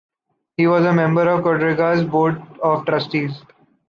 He was a member of Quadriga’s board of trustees.